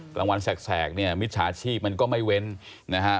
กลางวันแสกเนี่ยมิจฉาชีพมันก็ไม่เว้นนะฮะ